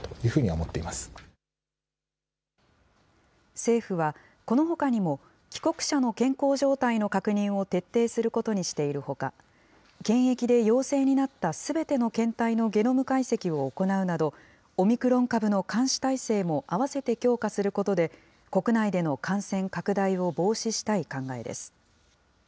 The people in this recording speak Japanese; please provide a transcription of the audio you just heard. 政府は、このほかにも帰国者の健康状態の確認を徹底することにしているほか、検疫で陽性になったすべての検体のゲノム解析を行うなど、オミクロン株の監視体制も併せて強化することで、国内での感染拡大を防止したい考えです。